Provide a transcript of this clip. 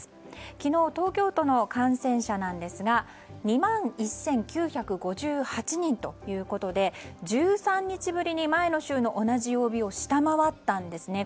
昨日の東京都の感染者ですが２万１９５８人ということで１３日ぶりの前の週の同じ曜日を下回ったんですね。